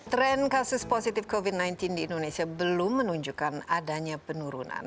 tren kasus positif covid sembilan belas di indonesia belum menunjukkan adanya penurunan